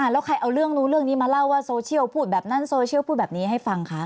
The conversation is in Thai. แล้วใครเอาเรื่องนู้นเรื่องนี้มาเล่าว่าโซเชียลพูดแบบนั้นโซเชียลพูดแบบนี้ให้ฟังคะ